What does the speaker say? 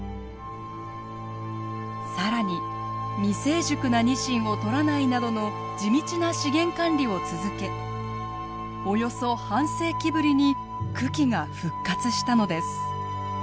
更に未成熟なニシンを取らないなどの地道な資源管理を続けおよそ半世紀ぶりに群来が復活したのです。